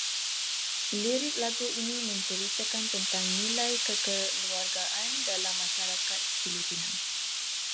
Lirik lagu ini menceritakan tentang nilai kekeluargaan dalam masyarakat Filipina